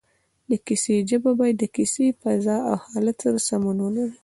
د کیسې ژبه باید د کیسې فضا او حالت سره سمون ولري